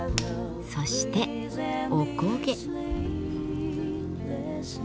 そしておこげ。